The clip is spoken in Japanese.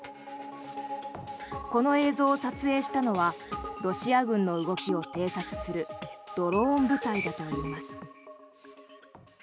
この映像を撮影したのはロシア軍の動きを偵察するドローン部隊だといいます。